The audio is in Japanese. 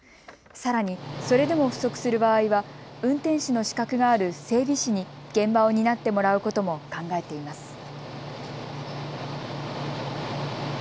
さらにそれでも不足する場合は運転士の資格がある整備士に現場を担ってもらうことも考えています。